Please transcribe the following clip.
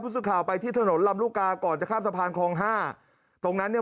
สุดข่าวไปที่ถนนลำลูกกาก่อนจะข้ามสะพานคลองห้าตรงนั้นเนี่ย